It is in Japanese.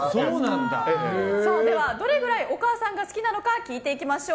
では、どれくらいお母さんが好きなのか聞いていきましょう。